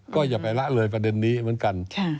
ก็อย่าไปละเลยประเด็นนี้เหมือนกัน